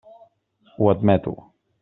Ho admeto.